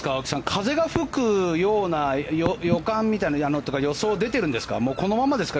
風が吹くような予感みたいな予想は出ているんですか。